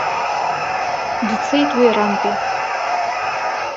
Дцеит уи арантәи.